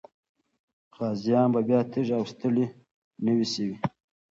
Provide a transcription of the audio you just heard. غازيان به بیا تږي او ستړي نه وي سوي.